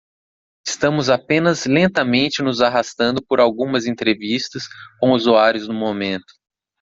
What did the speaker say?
Estamos apenas lentamente nos arrastando por algumas entrevistas com usuários no momento.